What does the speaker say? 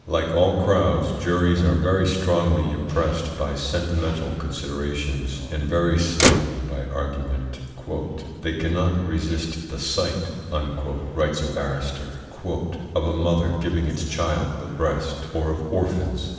Like all crowds, juries are very strongly impressed by sentimental considerations, and very slightly by argument. "They cannot resist the sight," writes a barrister, "of a mother giving its child the breast, or of orphans."